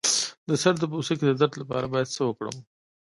د سر د پوستکي د درد لپاره باید څه وکړم؟